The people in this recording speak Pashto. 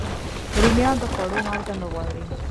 رومیان د خوړو مالګه نه غواړي